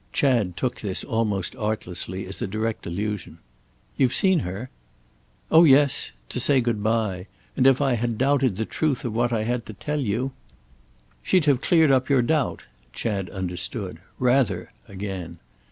Chad took this, almost artlessly, as a direct allusion. "You've seen her?" "Oh yes—to say good bye. And if I had doubted the truth of what I tell you—" "She'd have cleared up your doubt?" Chad understood—"rather"—again!